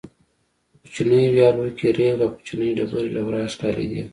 په کوچنیو ویالو کې رېګ او کوچنۍ ډبرې له ورایه ښکارېدې.